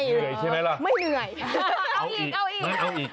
เหนื่อยใช่ไหมล่ะไม่เหนื่อยเอาอีกเอาอีกไม่เอาอีก